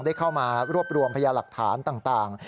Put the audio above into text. ได้เข้ามารวบรวมพยาหลักฐานต่าง